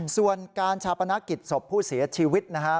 ส่วนการชาปนกิจศพผู้เสียชีวิตนะฮะ